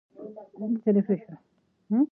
علم د پوهې د پراختیا لار ده.